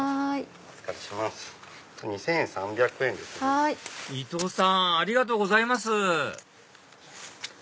２３００円ですね。